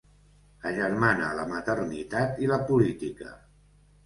Agermana la maternitat i la política.